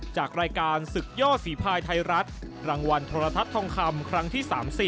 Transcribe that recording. จากรายการศึกย่อฝีภายไทยรัฐรางวัลโทรทัศน์ทองคำครั้งที่๓๐